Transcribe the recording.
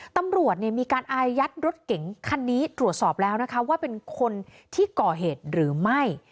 ตำรวจมีการอายัดรถเก๋งคันนี้ตรวจสอบแล้วนะคะว่าเป็นคนที่ก่อเหตุหรือไม่